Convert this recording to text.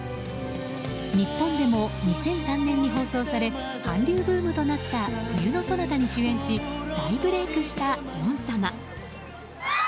日本でも２００３年に放送され韓流ブームとなった「冬のソナタ」に主演し大ブレークしたヨン様。